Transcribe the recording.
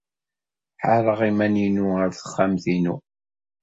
Ḥeṛṛeɣ iman-inu ɣer texxamt-inu.